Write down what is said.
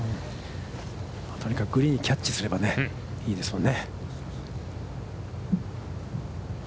とにかくグリーンをキャッチすればいいですからね。